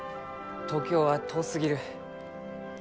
東京は遠すぎる。